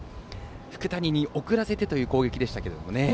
福谷に送らせてという攻撃でしたけどもね。